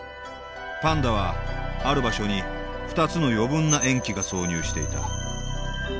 パンダはある場所に２つの余分な塩基が挿入していた。